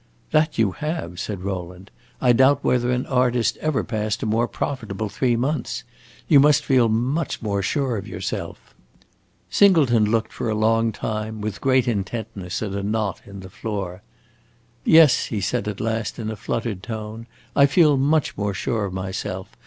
"That you have," said Rowland. "I doubt whether an artist ever passed a more profitable three months. You must feel much more sure of yourself." Singleton looked for a long time with great intentness at a knot in the floor. "Yes," he said at last, in a fluttered tone, "I feel much more sure of myself.